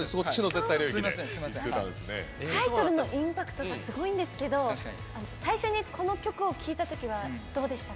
タイトルのインパクトがすごいんですけど最初に、この曲を聴いたときはどうでした？